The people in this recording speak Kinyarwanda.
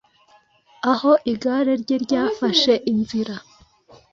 Aho igare rye ryafashe inzira,